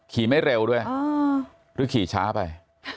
ไม่เร็วด้วยหรือขี่ช้าไป